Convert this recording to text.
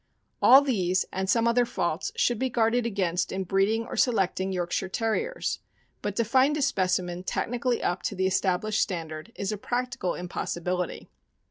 All these, and some other faults, should be guarded against in breeding or selecting Yorkshire Terriers ; but to find a specimen technic ally up to the established standard is a practical impossi bility.